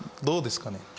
どうですかね。